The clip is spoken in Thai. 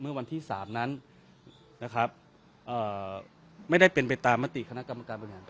เมื่อวันที่๓นั้นนะครับไม่ได้เป็นไปตามมติคณะกรรมการบริหาร